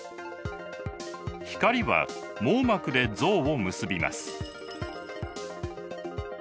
光は網膜で像を結びます。